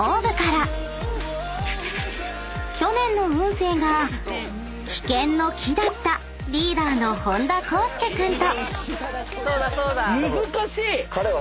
［去年の運勢が危険の「危」だったリーダーの本田康祐君と］